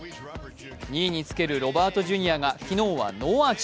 ２位につけるロバート・ジュニアが昨日はノーアーチ。